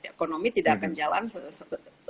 ekonomi tidak akan jalan selama masih